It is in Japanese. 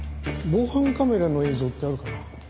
防犯カメラの映像ってあるかな？